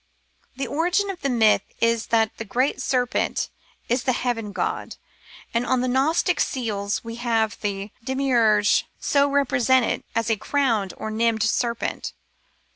^ The origin of this myth is that the great serpent is the heaven god — and on the gnostic seals we have the Demiurge so represented as a crowned or nimbed serpent.